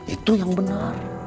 itu yang benar